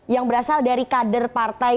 yang berasal dari kader partai